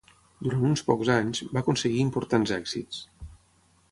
Durant uns pocs anys, va aconseguir importants èxits.